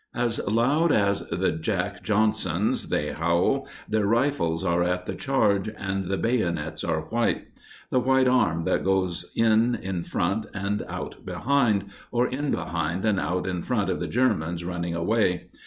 As loud as the "Jack Johnsons" they howl, their rifles are at the charge and the bayonets are white The white arm that goes in in front and out behind Or in behind and out in front of the Germans running away.